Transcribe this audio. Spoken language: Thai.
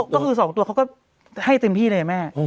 ก็คือ๒ตัวเขาก็ให้เต็มที่เลยแม่